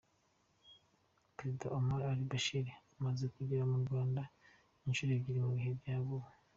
Perezida Omar al-Bashir amaze kugera mu Rwanda inshuro ebyiri mu bihe bya vuba.